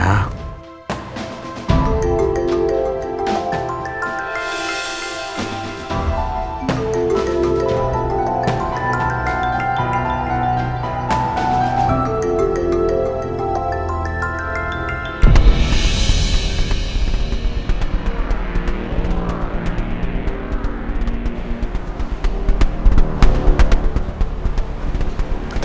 syria cortar sudah